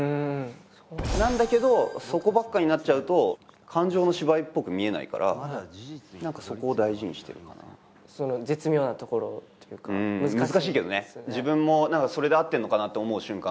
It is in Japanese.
なんだけどそこばっかになっちゃうと感情の芝居っぽく見えないから何かそこを大事にしてるかなその絶妙なところをというか難しいけどね自分もそれで合ってるのかなって思う瞬間